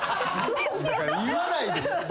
言わないでしょ